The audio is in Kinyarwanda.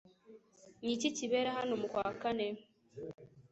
Ni iki kibera hano mu kwa kane?